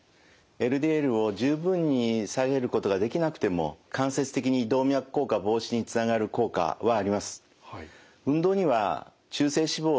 ＬＤＬを十分に下げることができなくても間接的に動脈硬化防止につながる効果はあります。